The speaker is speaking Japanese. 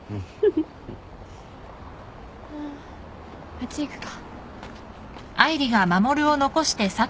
あっち行くか。